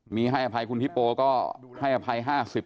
มีให้อภัยคุณฮิปโปก็ให้อภัย๕๐